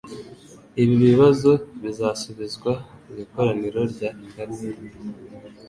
Ibi bibazo bizasubizwa mu ikoraniro ry'akarere